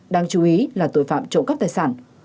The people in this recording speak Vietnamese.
đáng chú ý là tội phạm trộm cắp tài sản